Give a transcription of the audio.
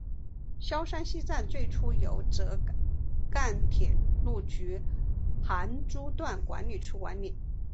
萧山西站最初由浙赣铁路局杭诸段管理处管理。